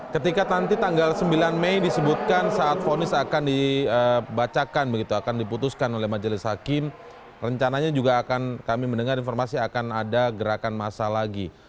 ketika nanti tanggal sembilan mei disebutkan saat vonis akan dibacakan begitu akan diputuskan oleh majelis hakim rencananya juga akan kami mendengar informasi akan ada gerakan massa lagi